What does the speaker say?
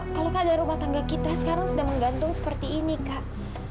kalau keadaan rumah tangga kita sekarang sedang menggantung seperti ini kak